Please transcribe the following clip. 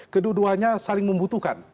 keduanya saling membutuhkan